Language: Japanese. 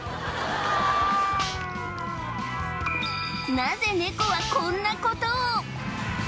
なぜネコはこんなことを？